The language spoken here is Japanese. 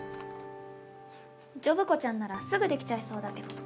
ジョブ子ちゃんならすぐできちゃいそうだけど。